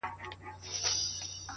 لا زر کلونه زرغونیږي ونه!.